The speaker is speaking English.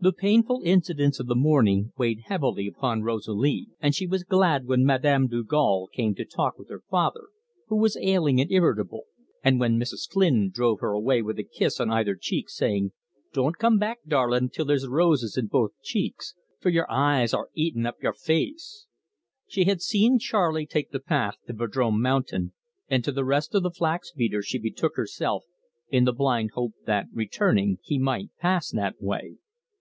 The painful incidents of the morning weighed heavily upon Rosalie, and she was glad when Madame Dugal came to talk with her father, who was ailing and irritable, and when Mrs. Flynn drove her away with a kiss on either cheek, saying: "Don't come back, darlin', till there's roses in both cheeks, for y'r eyes are 'atin' up yer face!" She had seen Charley take the path to Vadrome Mountain, and to the Rest of the Flax beaters she betook herself, in the blind hope that, returning, he might pass that way.